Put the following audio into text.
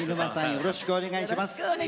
よろしくお願いします。